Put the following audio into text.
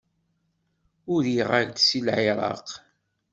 Uriɣ-ak seg Lɛiraq.